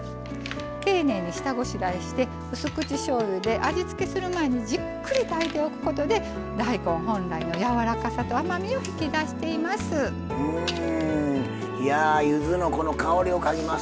丁寧に下ごしらえをしてうす口しょうゆで味付けする前にじっくり炊いておくことで大根本来のやわらかさとうまみを引き出しています。